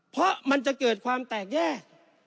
เพราะมันจะเกิดความแตกแยก